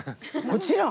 もちろん。